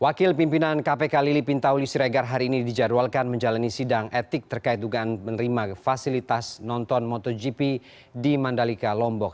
wakil pimpinan kpk lili pintauli siregar hari ini dijadwalkan menjalani sidang etik terkait dugaan menerima fasilitas nonton motogp di mandalika lombok